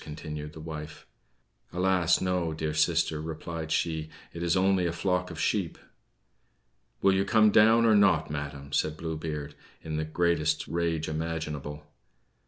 continued the wife. "Alas, no, dear sister," replied she, "it is only a flock of sheep!" "Will you come down or not, madam?" said Blue Beard, in the greatest rage imaginable.